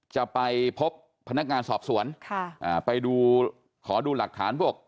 จะไปพบพนักงานสอบสวนค่ะอ่าไปดูขอดูหลักฐานพวก